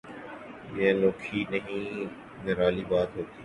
یہ انوکھی نہیں نرالی بات ہوتی۔